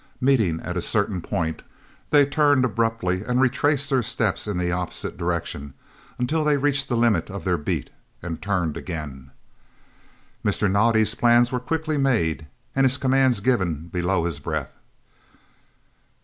Meeting at a certain point, they turned abruptly and retraced their steps in the opposite direction, until they reached the limit of their beat and turned again. Mr. Naudé's plans were quickly made, and his commands given below his breath.